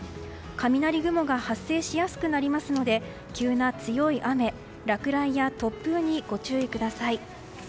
雷雲が発生しやすくなりますので急な強い雨、落雷や突風にご注意ください。